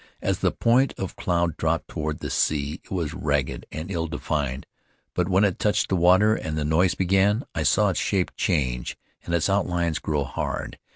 As the point of cloud dropped toward the sea it was ragged and ill defined; but when it touched the water and the noise began I saw its shape change and its outlines grow hard.